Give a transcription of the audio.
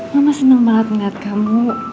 mama senang banget ngeliat kamu